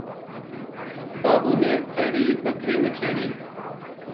بابو نے پھرڑی بکری نکھیڑی